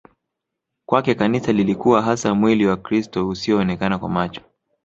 Kwake Kanisa lilikuwa hasa mwli wa krist usioonekana kwa macho